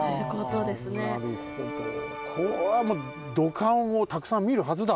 これはもう土管をたくさん見るはずだ。